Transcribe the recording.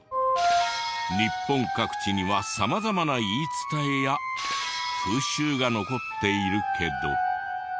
日本各地には様々な言い伝えや風習が残っているけど。